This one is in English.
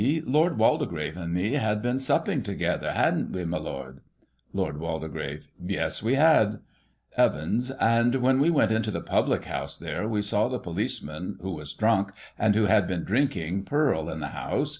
Lord Waldegrave suid me had been supping together — hadn't we, my Lord ? 3* Digitized by Google 36 GOSSIP. [1838 Lord Waldegrave : Yes, we had Evans: And when we went into the public house there, we saw the policeman, who was drunk, and who had been drinking purl in the house.